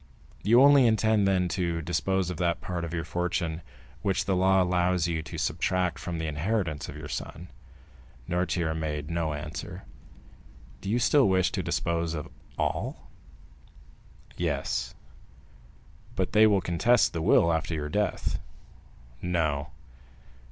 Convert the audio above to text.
"You only intend, then, to dispose of that part of your fortune which the law allows you to subtract from the inheritance of your son?" Noirtier made no answer. "Do you still wish to dispose of all?" "Yes." "But they will contest the will after your death?" "No."